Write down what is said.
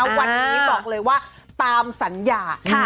วันนี้บอกเลยว่าตามสัญญา